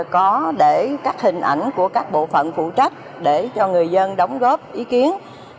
có để các hình ảnh của các bộ phận phụ trách để cho người dân đóng góp ý kiến